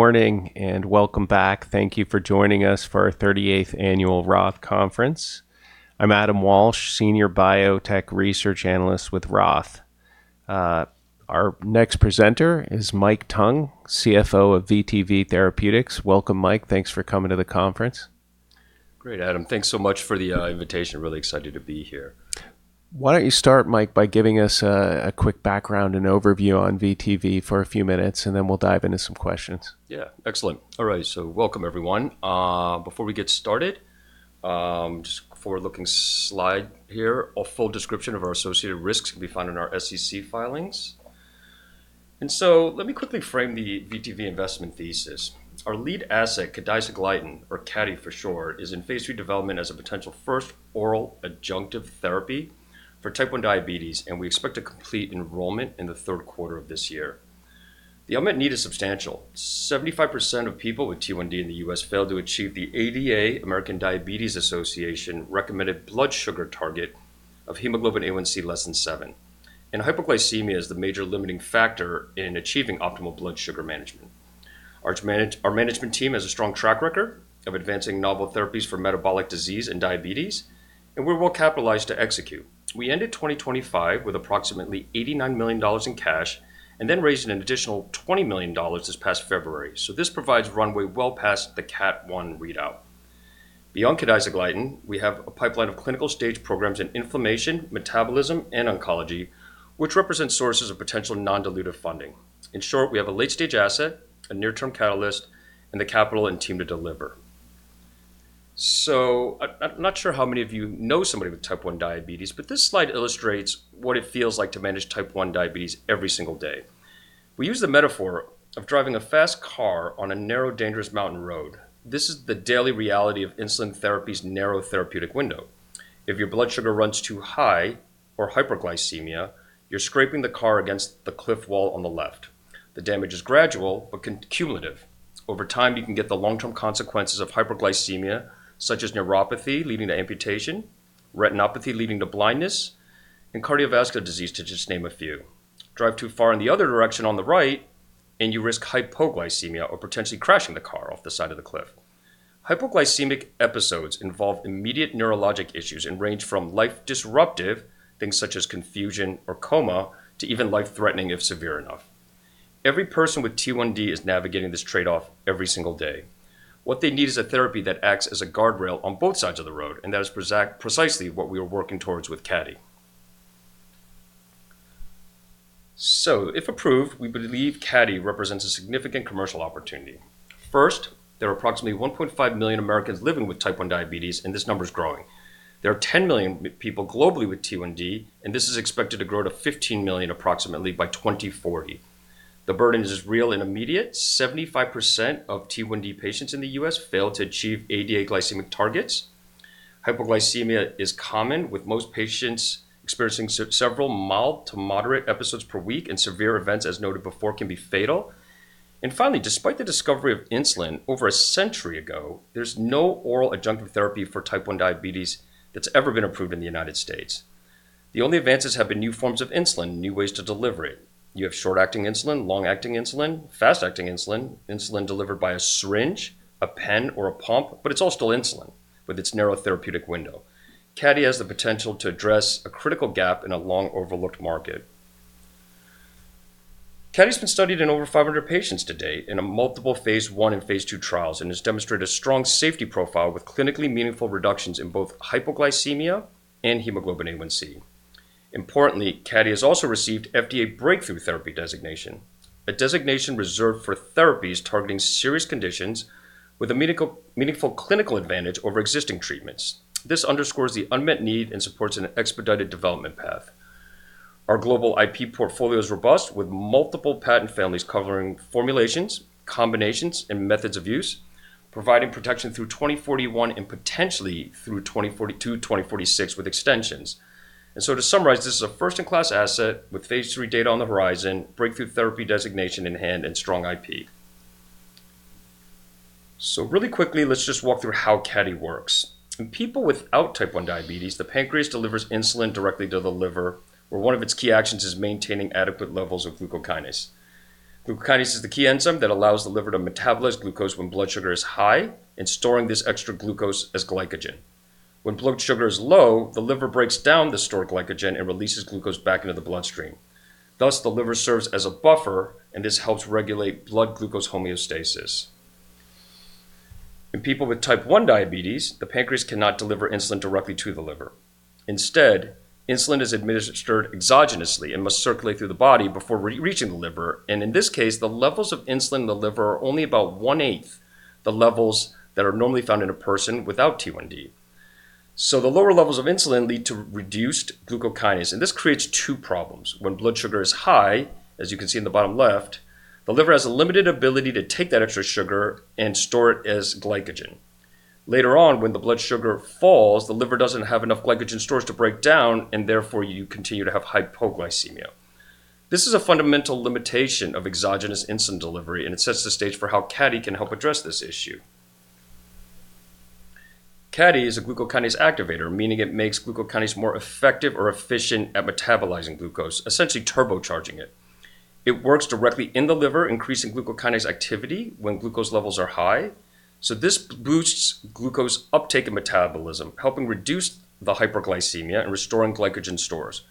Morning, welcome back. Thank you for joining us for our 38th annual ROTH Conference. I'm Adam Walsh, Managing Director and Senior Biotechnology Analyst with Roth. Our next presenter is Mike Tung, CFO of vTv Therapeutics. Welcome, Mike. Thanks for coming to the conference. Great, Adam. Thanks so much for the invitation. Really excited to be here. Why don't you start, Mike, by giving us a quick background and overview on vTv for a few minutes, then we'll dive into some questions. Excellent. Welcome, everyone. Before we get started, just forward-looking slide here. A full description of our associated risks can be found in our SEC filings. Let me quickly frame the vTv investment thesis. Our lead asset, cadisegliatin, or CADI for short, is in phase II development as a potential first oral adjunctive therapy for Type 1 diabetes, we expect to complete enrollment in the third quarter of this year. The unmet need is substantial. 75% of people with T1D in the U.S. fail to achieve the ADA, American Diabetes Association, recommended blood sugar target of hemoglobin A1C less than seven, hypoglycemia is the major limiting factor in achieving optimal blood sugar management. Our management team has a strong track record of advancing novel therapies for metabolic disease and diabetes, we're well-capitalized to execute. We ended 2025 with approximately $89 million in cash and then raised an additional $20 million this past February. This provides runway well past the CATT1 readout. Beyond cadisegliatin, we have a pipeline of clinical stage programs in inflammation, metabolism, and oncology, which represent sources of potential non-dilutive funding. In short, we have a late-stage asset, a near-term catalyst, and the capital and team to deliver. I'm not sure how many of you know somebody with Type 1 diabetes, but this slide illustrates what it feels like to manage Type 1 diabetes every single day. We use the metaphor of driving a fast car on a narrow, dangerous mountain road. This is the daily reality of insulin therapy's narrow therapeutic window. If your blood sugar runs too high, or hyperglycemia, you're scraping the car against the cliff wall on the left. The damage is gradual but cumulative. Over time, you can get the long-term consequences of hyperglycemia, such as neuropathy, leading to amputation, retinopathy, leading to blindness, and cardiovascular disease, to just name a few. Drive too far in the other direction on the right, and you risk hypoglycemia or potentially crashing the car off the side of the cliff. Hypoglycemic episodes involve immediate neurologic issues and range from life disruptive, things such as confusion or coma, to even life-threatening if severe enough. Every person with T1D is navigating this trade-off every single day. What they need is a therapy that acts as a guardrail on both sides of the road, and that is precisely what we are working towards with CADI. If approved, we believe CADI represents a significant commercial opportunity. First, there are approximately 1.5 million Americans living with Type 1 diabetes, and this number is growing. There are 10 million people globally with T1D, and this is expected to grow to 15 million approximately by 2040. The burden is real and immediate. 75% of T1D patients in the U.S. fail to achieve ADA glycemic targets. Hypoglycemia is common, with most patients experiencing several mild to moderate episodes per week, and severe events, as noted before, can be fatal. Finally, despite the discovery of insulin over a century ago, there's no oral adjunctive therapy for Type 1 diabetes that's ever been approved in the United States. The only advances have been new forms of insulin, new ways to deliver it. You have short-acting insulin, long-acting insulin, fast-acting insulin delivered by a syringe, a pen, or a pump, but it's all still insulin with its narrow therapeutic window. CADI has the potential to address a critical gap in a long-overlooked market. CADI's been studied in over 500 patients to date in multiple phase I and phase II trials and has demonstrated a strong safety profile with clinically meaningful reductions in both hypoglycemia and hemoglobin A1c. Importantly, CADI has also received FDA Breakthrough Therapy designation, a designation reserved for therapies targeting serious conditions with a meaningful clinical advantage over existing treatments. This underscores the unmet need and supports an expedited development path. Our global IP portfolio is robust, with multiple patent families covering formulations, combinations, and methods of use, providing protection through 2041 and potentially through 2042, 2046 with extensions. To summarize, this is a first-in-class asset with phase III data on the horizon, Breakthrough Therapy designation in hand, and strong IP. Really quickly, let's just walk through how CADI works. In people without Type 1 diabetes, the pancreas delivers insulin directly to the liver, where one of its key actions is maintaining adequate levels of glucokinase. Glucokinase is the key enzyme that allows the liver to metabolize glucose when blood sugar is high and storing this extra glucose as glycogen. When blood sugar is low, the liver breaks down the stored glycogen and releases glucose back into the bloodstream. Thus, the liver serves as a buffer, and this helps regulate blood glucose homeostasis. In people with Type 1 diabetes, the pancreas cannot deliver insulin directly to the liver. Instead, insulin is administered exogenously and must circulate through the body before reaching the liver. In this case, the levels of insulin in the liver are only about one-eighth the levels that are normally found in a person without T1D. The lower levels of insulin lead to reduced glucokinase, and this creates two problems. When blood sugar is high, as you can see in the bottom left, the liver has a limited ability to take that extra sugar and store it as glycogen. Later on, when the blood sugar falls, the liver doesn't have enough glycogen stores to break down, and therefore, you continue to have hypoglycemia. This is a fundamental limitation of exogenous insulin delivery, and it sets the stage for how CADI can help address this issue. CADI is a glucokinase activator, meaning it makes glucokinase more effective or efficient at metabolizing glucose, essentially turbocharging it. It works directly in the liver, increasing glucokinase activity when glucose levels are high. This boosts glucose uptake and metabolism, helping reduce the hyperglycemia and restoring glycogen stores.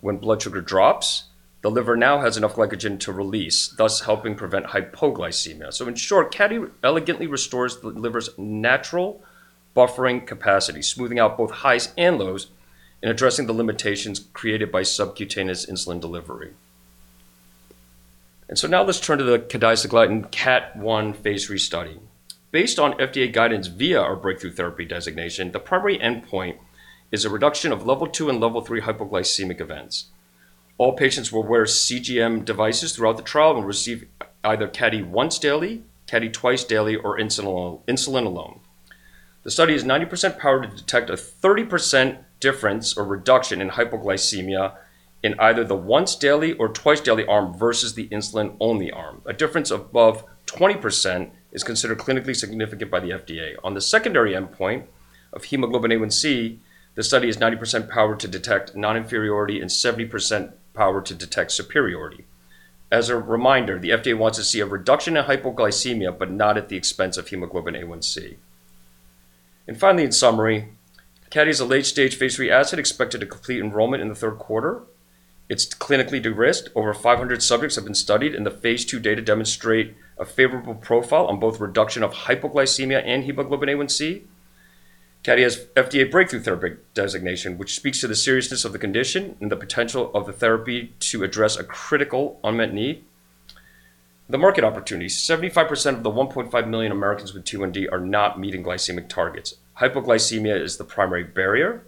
When blood sugar drops, the liver now has enough glycogen to release, thus helping prevent hypoglycemia. In short, CADI elegantly restores the liver's natural buffering capacity, smoothing out both highs and lows, and addressing the limitations created by subcutaneous insulin delivery. Now let's turn to the cadisegliatin CATT1 phase III study. Based on FDA guidance via our Breakthrough Therapy designation, the primary endpoint is a reduction of level 2 and level 3 hypoglycemic events. All patients will wear CGM devices throughout the trial and receive either CADI once daily, CADI twice daily, or insulin alone. The study is 90% powered to detect a 30% difference or reduction in hypoglycemia in either the once daily or twice daily arm versus the insulin-only arm. A difference above 20% is considered clinically significant by the FDA. On the secondary endpoint of hemoglobin A1c, the study is 90% powered to detect non-inferiority and 70% power to detect superiority. As a reminder, the FDA wants to see a reduction in hypoglycemia, but not at the expense of hemoglobin A1c. Finally, in summary, CADI is a late-stage phase III asset expected to complete enrollment in the third quarter. It's clinically de-risked. Over 500 subjects have been studied in the phase II data demonstrate a favorable profile on both reduction of hypoglycemia and hemoglobin A1c. CADI has FDA Breakthrough Therapy designation, which speaks to the seriousness of the condition and the potential of the therapy to address a critical unmet need. The market opportunity, 75% of the 1.5 million Americans with T1D are not meeting glycemic targets. Hypoglycemia is the primary barrier.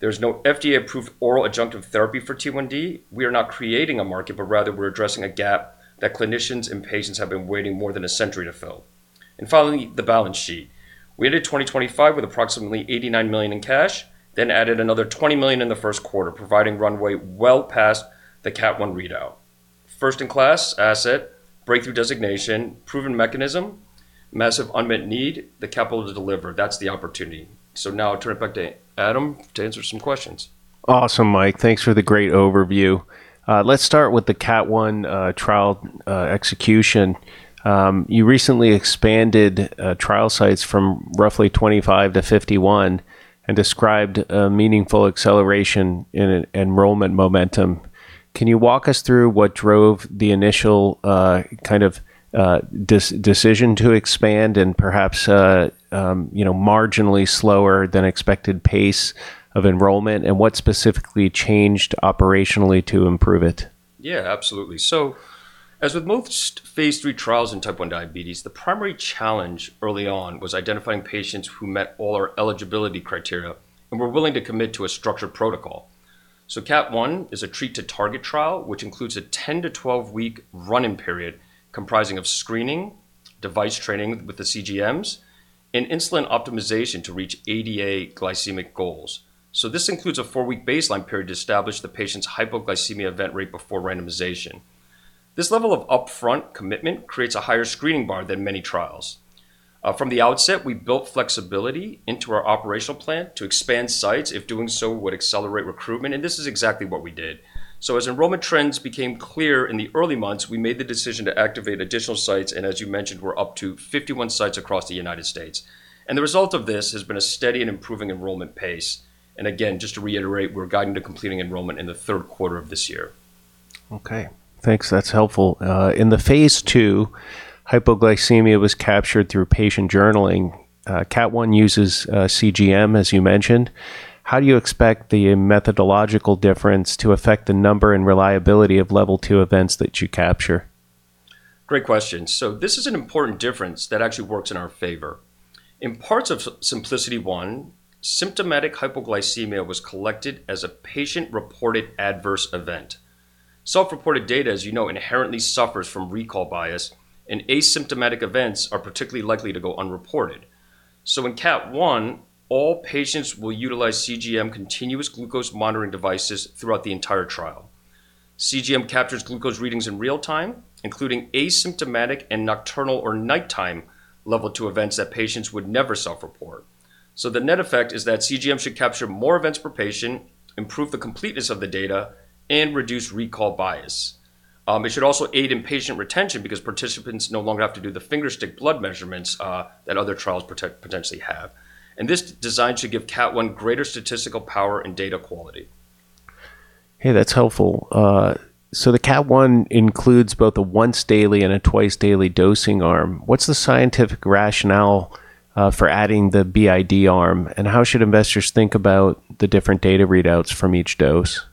There's no FDA-approved oral adjunctive therapy for T1D. We are not creating a market, but rather we're addressing a gap that clinicians and patients have been waiting more than a century to fill. Finally, the balance sheet. We ended 2025 with approximately $89 million in cash, then added another $20 million in the first quarter, providing runway well past the CADI readout. First in class asset, Breakthrough designation, proven mechanism, massive unmet need, the capital to deliver. That's the opportunity. Now I'll turn it back to Adam to answer some questions. Awesome, Mike. Thanks for the great overview. Let's start with the CADI trial execution. You recently expanded trial sites from roughly 25 to 51 and described a meaningful acceleration in enrollment momentum. Can you walk us through what drove the initial kind of decision to expand and perhaps marginally slower than expected pace of enrollment, and what specifically changed operationally to improve it? Absolutely. As with most phase III trials in Type 1 diabetes, the primary challenge early on was identifying patients who met all our eligibility criteria and were willing to commit to a structured protocol. CADI is a treat to target trial, which includes a 10- to 12-week run-in period comprising of screening, device training with the CGMs, and insulin optimization to reach ADA glycemic goals. This includes a four-week baseline period to establish the patient's hypoglycemia event rate before randomization. This level of upfront commitment creates a higher screening bar than many trials. From the outset, we built flexibility into our operational plan to expand sites if doing so would accelerate recruitment, and this is exactly what we did. As enrollment trends became clear in the early months, we made the decision to activate additional sites, and as you mentioned, we're up to 51 sites across the U.S. The result of this has been a steady and improving enrollment pace. Again, just to reiterate, we're guiding to completing enrollment in the third quarter of this year. Okay. Thanks. That's helpful. In the phase II, hypoglycemia was captured through patient journaling. CATT1 uses CGM, as you mentioned. How do you expect the methodological difference to affect the number and reliability of level 2 events that you capture? Great question. This is an important difference that actually works in our favor. In parts of SimpliciT-1, symptomatic hypoglycemia was collected as a patient-reported adverse event. Self-reported data, as you know, inherently suffers from recall bias, and asymptomatic events are particularly likely to go unreported. In CATT1, all patients will utilize CGM continuous glucose monitoring devices throughout the entire trial. CGM captures glucose readings in real time, including asymptomatic and nocturnal or nighttime level 2 events that patients would never self-report. The net effect is that CGM should capture more events per patient, improve the completeness of the data, and reduce recall bias. It should also aid in patient retention because participants no longer have to do the fingerstick blood measurements that other trials potentially have. This design should give CATT1 greater statistical power and data quality. Hey, that's helpful. The CATT1 includes both a once daily and a twice daily dosing arm. What's the scientific rationale for adding the BID arm, and how should investors think about the different data readouts from each dose?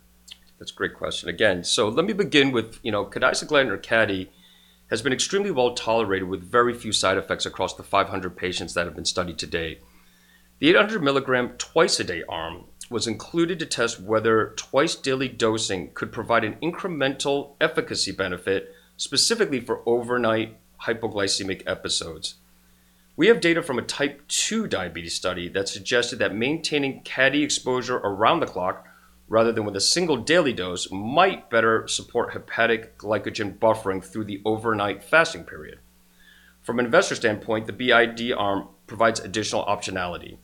That's a great question again. Let me begin with cadisegliatin, or CADI, has been extremely well-tolerated with very few side effects across the 500 patients that have been studied to date. The 800 milligram twice-a-day arm was included to test whether twice daily dosing could provide an incremental efficacy benefit, specifically for overnight hypoglycemic episodes. We have data from a type 2 diabetes study that suggested that maintaining CADI exposure around the clock rather than with a single daily dose might better support hepatic glycogen buffering through the overnight fasting period. From an investor standpoint, the BID arm provides additional optionality.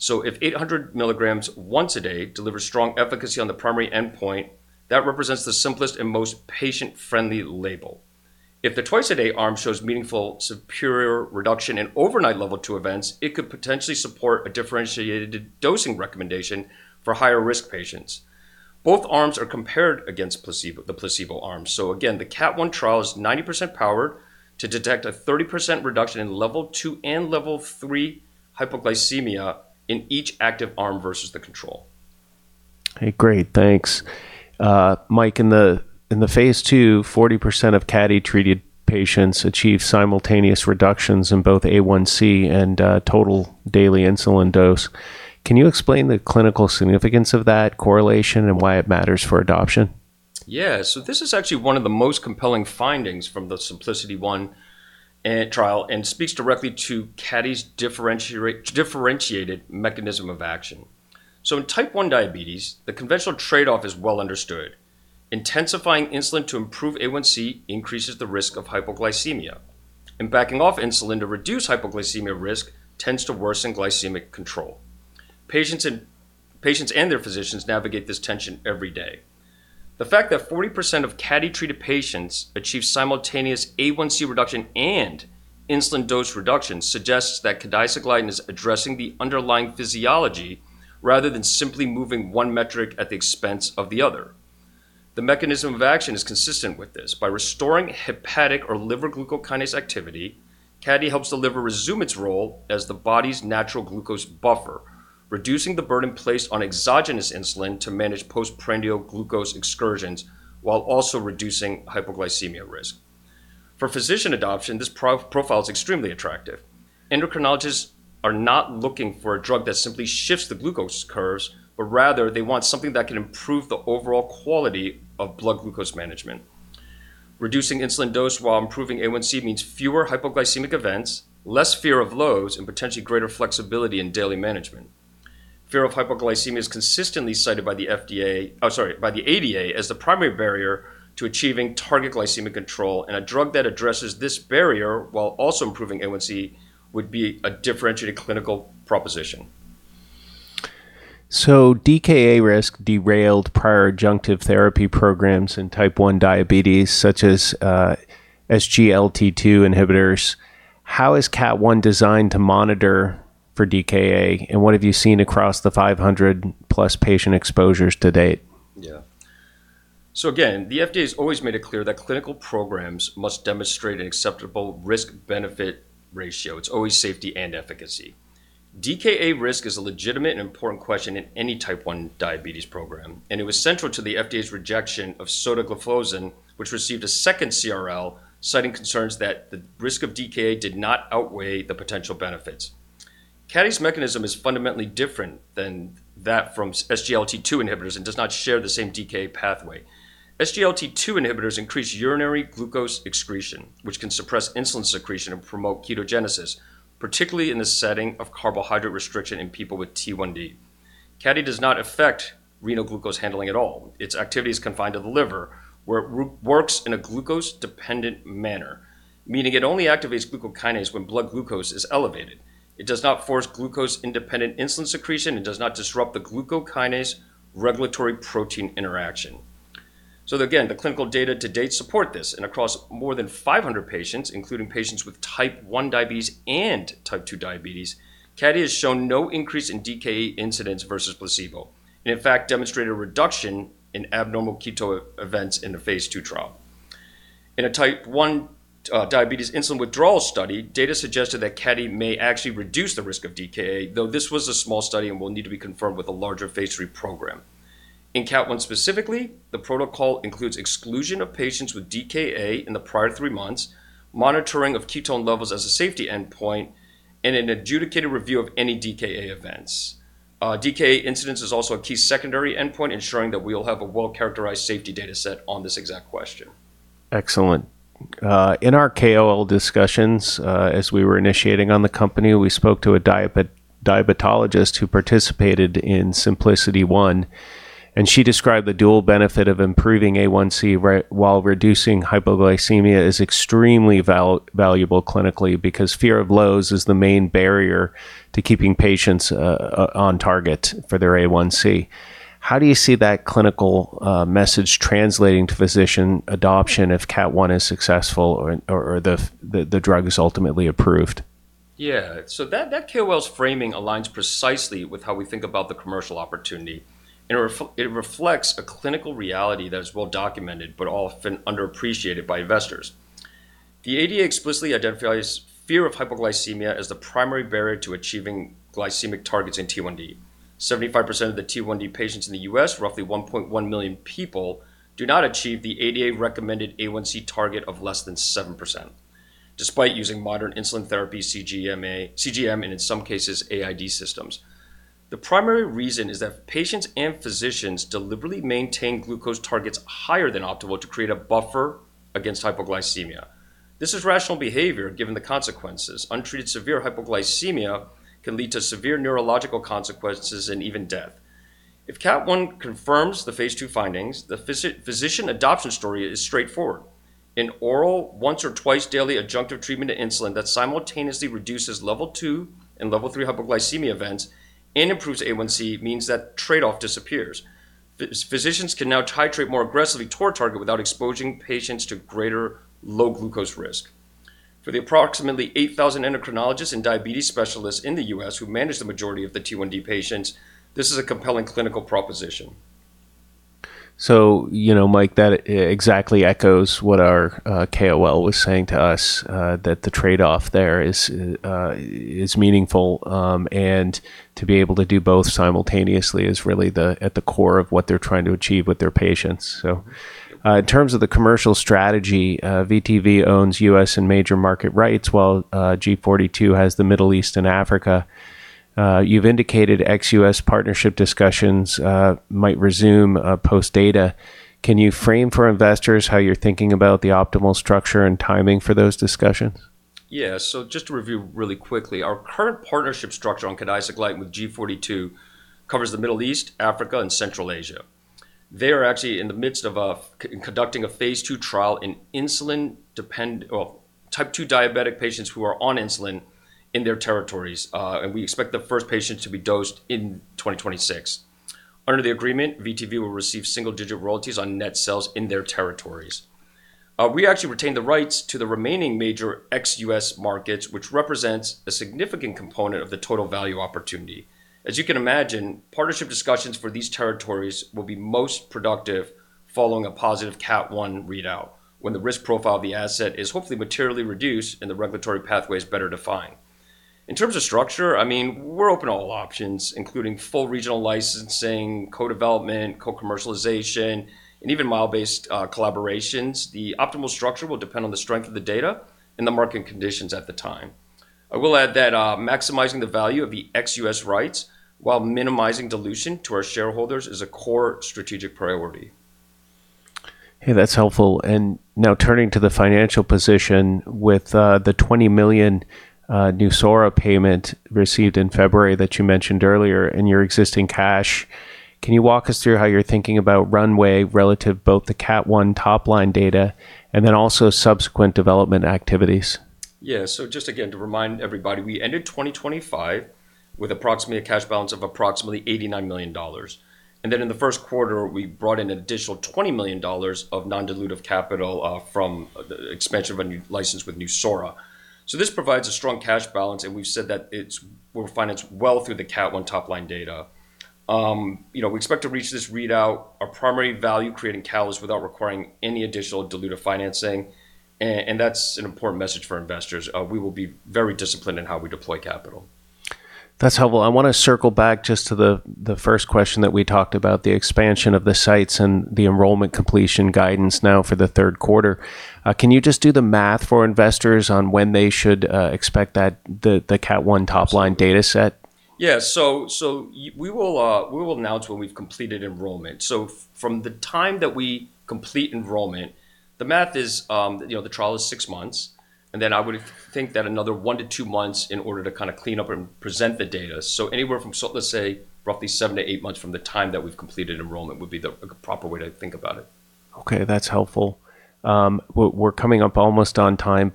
If 800 milligrams once a day delivers strong efficacy on the primary endpoint, that represents the simplest and most patient-friendly label. If the twice-a-day arm shows meaningful superior reduction in overnight level 2 events, it could potentially support a differentiated dosing recommendation for higher risk patients. Both arms are compared against the placebo arm. Again, the CATT1 trial is 90% powered to detect a 30% reduction in level 2 and level 3 hypoglycemia in each active arm versus the control. Okay, great. Thanks. Mike, in the phase II, 40% of CADI-treated patients achieved simultaneous reductions in both A1C and total daily insulin dose. Can you explain the clinical significance of that correlation and why it matters for adoption? Yeah. This is actually one of the most compelling findings from the SimpliciT-1 trial and speaks directly to CADI's differentiated mechanism of action. In type 1 diabetes, the conventional trade-off is well understood. Intensifying insulin to improve A1C increases the risk of hypoglycemia, and backing off insulin to reduce hypoglycemia risk tends to worsen glycemic control. Patients and their physicians navigate this tension every day. The fact that 40% of CADI-treated patients achieved simultaneous A1C reduction and insulin dose reduction suggests that cadisegliatin is addressing the underlying physiology rather than simply moving one metric at the expense of the other. The mechanism of action is consistent with this. By restoring hepatic or liver glucokinase activity, CADI helps the liver resume its role as the body's natural glucose buffer, reducing the burden placed on exogenous insulin to manage postprandial glucose excursions while also reducing hypoglycemia risk. For physician adoption, this profile is extremely attractive. Endocrinologists are not looking for a drug that simply shifts the glucose curves, but rather they want something that can improve the overall quality of blood glucose management. Reducing insulin dose while improving A1C means fewer hypoglycemic events, less fear of lows, and potentially greater flexibility in daily management. Fear of hypoglycemia is consistently cited by the FDA, by the ADA, as the primary barrier to achieving target glycemic control, and a drug that addresses this barrier while also improving A1C would be a differentiated clinical proposition. DKA risk derailed prior adjunctive therapy programs in type 1 diabetes, such as SGLT2 inhibitors. How is CATT1 designed to monitor for DKA, and what have you seen across the 500-plus patient exposures to date? Again, the FDA's always made it clear that clinical programs must demonstrate an acceptable risk-benefit ratio. It's always safety and efficacy. DKA risk is a legitimate and important question in any type 1 diabetes program, and it was central to the FDA's rejection of sotagliflozin, which received a second CRL citing concerns that the risk of DKA did not outweigh the potential benefits. CADI's mechanism is fundamentally different than that from SGLT2 inhibitors and does not share the same DKA pathway. SGLT2 inhibitors increase urinary glucose excretion, which can suppress insulin secretion and promote ketogenesis, particularly in the setting of carbohydrate restriction in people with T1D. CADI does not affect renal glucose handling at all. Its activity is confined to the liver, where it works in a glucose-dependent manner, meaning it only activates glucokinase when blood glucose is elevated. It does not force glucose-independent insulin secretion and does not disrupt the glucokinase regulatory protein interaction. Again, the clinical data to date support this, and across more than 500 patients, including patients with type 1 diabetes and type 2 diabetes, CADI has shown no increase in DKA incidence versus placebo, and in fact demonstrated a reduction in abnormal keto events in the phase II trial. In a type 1 diabetes insulin withdrawal study, data suggested that CADI may actually reduce the risk of DKA, though this was a small study and will need to be confirmed with a larger phase III program. In CATT1 specifically, the protocol includes exclusion of patients with DKA in the prior three months, monitoring of ketone levels as a safety endpoint, and an adjudicated review of any DKA events. DKA incidence is also a key secondary endpoint, ensuring that we'll have a well-characterized safety data set on this exact question. Excellent. In our KOL discussions, as we were initiating on the company, we spoke to a diabetologist who participated in SimpliciT-1, she described the dual benefit of improving A1c while reducing hypoglycemia is extremely valuable clinically because fear of lows is the main barrier to keeping patients on target for their A1c. How do you see that clinical message translating to physician adoption if CATT1 is successful or the drug is ultimately approved? Yeah. That KOL's framing aligns precisely with how we think about the commercial opportunity. It reflects a clinical reality that is well documented but often underappreciated by investors. The ADA explicitly identifies fear of hypoglycemia as the primary barrier to achieving glycemic targets in T1D. 75% of the T1D patients in the U.S., roughly 1.1 million people, do not achieve the ADA-recommended A1c target of less than 7%, despite using modern insulin therapy, CGM, and in some cases, AID systems. The primary reason is that patients and physicians deliberately maintain glucose targets higher than optimal to create a buffer against hypoglycemia. This is rational behavior given the consequences. Untreated severe hypoglycemia can lead to severe neurological consequences and even death. If CATT1 confirms the phase II findings, the physician adoption story is straightforward. An oral once or twice daily adjunctive treatment to insulin that simultaneously reduces level 2 and level 3 hypoglycemia events and improves A1c means that trade-off disappears. Physicians can now titrate more aggressively toward target without exposing patients to greater low glucose risk. For the approximately 8,000 endocrinologists and diabetes specialists in the U.S. who manage the majority of the T1D patients, this is a compelling clinical proposition. Mike, that exactly echoes what our KOL was saying to us, that the trade-off there is meaningful, and to be able to do both simultaneously is really at the core of what they're trying to achieve with their patients. In terms of the commercial strategy, vTv owns U.S. and major market rights, while G42 has the Middle East and Africa. You've indicated ex-U.S. partnership discussions might resume post-data. Can you frame for investors how you're thinking about the optimal structure and timing for those discussions? To review really quickly, our current partnership structure on cadisegliatin with G42 covers the Middle East, Africa, and Central Asia. They are actually in the midst of conducting a phase II trial in type 2 diabetic patients who are on insulin in their territories, and we expect the first patient to be dosed in 2026. Under the agreement, vTv will receive single-digit royalties on net sales in their territories. We actually retain the rights to the remaining major ex-U.S. markets, which represents a significant component of the total value opportunity. As you can imagine, partnership discussions for these territories will be most productive following a positive CATT1 readout, when the risk profile of the asset is hopefully materially reduced and the regulatory pathway is better defined. In terms of structure, we're open to all options, including full regional licensing, co-development, co-commercialization, and even milestone-based collaborations. The optimal structure will depend on the strength of the data and the market conditions at the time. I will add that maximizing the value of the ex-U.S. rights while minimizing dilution to our shareholders is a core strategic priority. That's helpful. Now turning to the financial position with the $20 million Nusura payment received in February that you mentioned earlier and your existing cash, can you walk us through how you're thinking about runway relative both to CATT1 top-line data and then also subsequent development activities? Just again, to remind everybody, we ended 2025 with approximately a cash balance of approximately $89 million. In the first quarter, we brought in an additional $20 million of non-dilutive capital from the expansion of a new license with Nusura. This provides a strong cash balance, and we've said that we're financed well through the CATT1 top-line data. We expect to reach this readout, our primary value-creating catalyst, without requiring any additional dilutive financing. That's an important message for investors. We will be very disciplined in how we deploy capital. That's helpful. I want to circle back just to the first question that we talked about, the expansion of the sites and the enrollment completion guidance now for the third quarter. Can you just do the math for investors on when they should expect the CATT1 top-line data set? Yeah. We will announce when we've completed enrollment. From the time that we complete enrollment, the math is the trial is six months, and then I would think that another one to two months in order to kind of clean up and present the data. Anywhere from, let's say, roughly seven to eight months from the time that we've completed enrollment would be the proper way to think about it. Okay, that's helpful. We're coming up almost on time,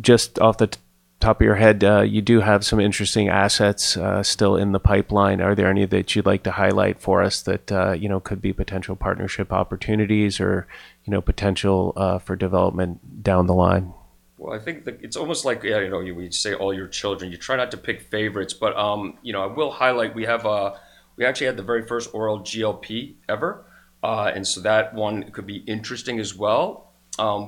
just off the top of your head, you do have some interesting assets still in the pipeline. Are there any that you'd like to highlight for us that could be potential partnership opportunities or potential for development down the line? Well, I think that it's almost like, we'd say all your children. You try not to pick favorites, I will highlight, we actually had the very first oral GLP-1 ever. That one could be interesting as well.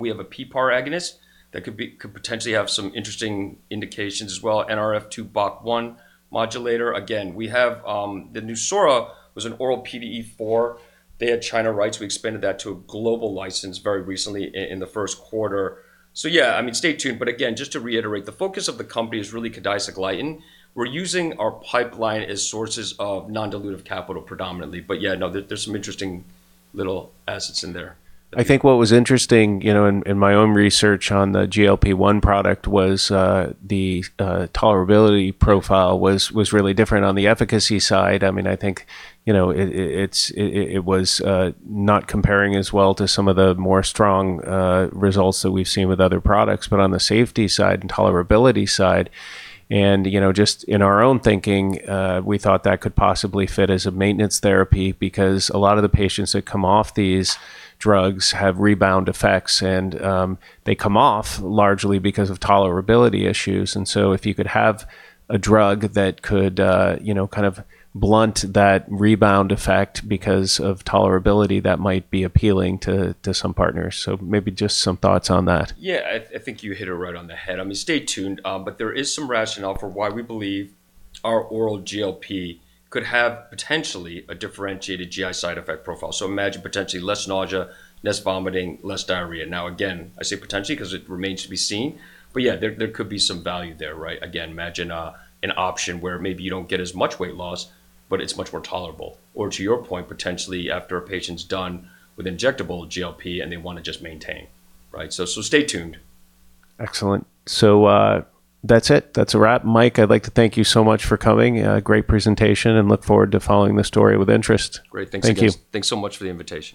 We have a PPAR agonist that could potentially have some interesting indications as well. NRF2/Bach1 modulator. Again, we have the Nusura was an oral PDE4. They had China rights. We expanded that to a global license very recently in the first quarter. Yeah, stay tuned. Again, just to reiterate, the focus of the company is really cadisegliatin. We're using our pipeline as sources of non-dilutive capital predominantly. Yeah, no, there's some interesting little assets in there. I think what was interesting in my own research on the GLP-1 product was the tolerability profile was really different on the efficacy side. I think it was not comparing as well to some of the more strong results that we've seen with other products, but on the safety side and tolerability side, and just in our own thinking, we thought that could possibly fit as a maintenance therapy because a lot of the patients that come off these drugs have rebound effects, and they come off largely because of tolerability issues. If you could have a drug that could kind of blunt that rebound effect because of tolerability, that might be appealing to some partners. Maybe just some thoughts on that. Yeah. I think you hit it right on the head. Stay tuned, but there is some rationale for why we believe our oral GLP-1 could have potentially a differentiated GI side effect profile. Imagine potentially less nausea, less vomiting, less diarrhea. Again, I say potentially because it remains to be seen, but there could be some value there, right? Again, imagine an option where maybe you don't get as much weight loss, but it's much more tolerable. Or to your point, potentially after a patient's done with injectable GLP-1 and they want to just maintain, right? Stay tuned. Excellent. That's it. That's a wrap. Mike, I'd like to thank you so much for coming. Great presentation and look forward to following this story with interest. Great. Thanks again. Thank you. Thanks so much for the invitation.